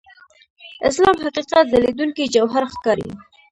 اسلام حقیقت ځلېدونکي جوهر ښکاري.